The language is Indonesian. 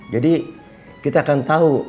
jadi kita akan tahu